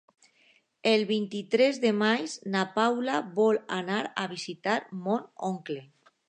El vint-i-tres de maig na Paula vol anar a visitar mon oncle.